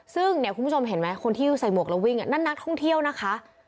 ซึ่งเนี่ยคุณผู้ชมเห็นไหมคนที่ใส่หมวกแล้ววิ่งนั่นนักท่องเที่ยวนะคะ